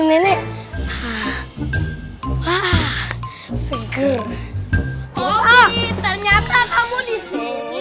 ternyata kamu disini